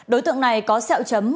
đối tượng này có sẹo chấm